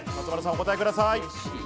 お答えください。